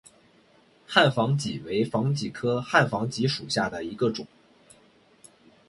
汉防己为防己科汉防己属下的一个种。